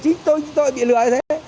chính tôi bị lừa